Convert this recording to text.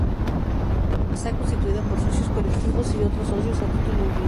Está constituida por socios colectivos y otros socios a título individual.